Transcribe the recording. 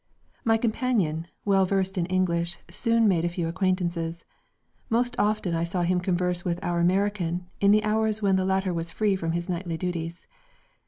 My companion, well versed in English soon made a few acquaintances. Most often I saw him converse with "our" American in the hours when the latter was free from his knightly duties.